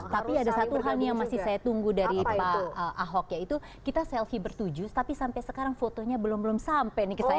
tapi ada satu hal nih yang masih saya tunggu dari pak ahok yaitu kita selfie bertuju tapi sampai sekarang fotonya belum belum sampai nih ke saya